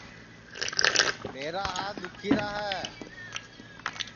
میرا ہات دُؔکھی راہے